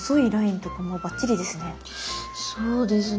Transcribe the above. そうですね。